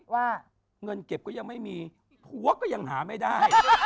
ว่าเงินเก็บก็ยังไม่มีผัวก็ยังหาไม่ได้